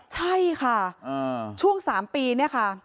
ใช่ค่ะช่วง๓ปีเนี่ยค่ะ